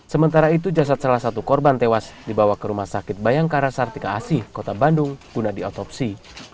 sementara itu jasad salah satu korban tewas dibawa ke rumah sakit bayangkara sartika asih kota bandung guna diotopsi